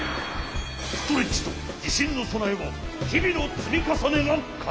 ストレッチとじしんのそなえはひびのつみかさねがかんじん！